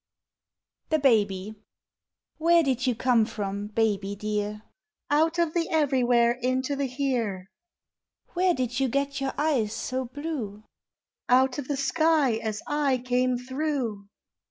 THE BABY. Where did you come from, baby dear? Out of the everywhere into the here. Where did you get your eyes so blue? Out of the sky as I came through.